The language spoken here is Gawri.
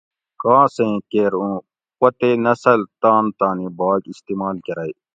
کاسیں کیر اوں پتے نسل تان تانی باگ استعمال کرئ